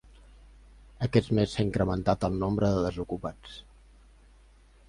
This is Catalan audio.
Aquest mes s'ha incrementat el nombre de desocupats.